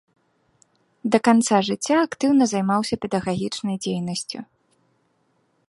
Да канца жыцця актыўна займаўся педагагічнай дзейнасцю.